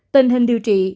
tình hình điều trị